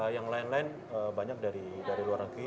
yang lain lain banyak dari luar negeri